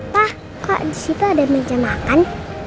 pak kak di situ ada meja makan